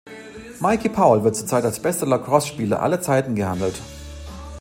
Mikey Powell wird zurzeit als bester Lacrosse-Spieler aller Zeiten gehandelt.